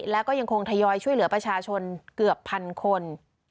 แล้วก็ยังคงทยอยช่วยเหลือประชาชนเกือบพันคน